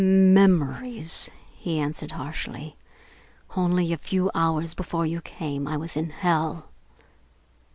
"Memories!" he answered harshly. "Only a few hours before you came, I was in hell!"